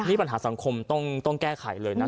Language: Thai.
นี่ปัญหาสังคมต้องแก้ไขเลยนะ